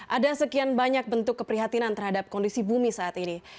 ada sekian banyak bentuk keprihatinan terhadap kondisi bumi saat ini